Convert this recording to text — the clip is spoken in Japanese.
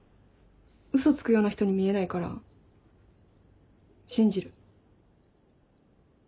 嘘つくような人に見えないから信じる。